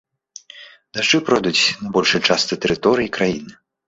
Дажджы пройдуць на большай частцы тэрыторыі краіны.